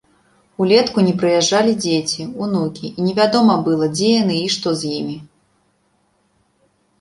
Улетку не прыязджалі дзеці, унукі, і невядома было, дзе яны і што з імі.